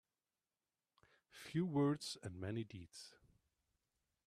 Few words and many deeds.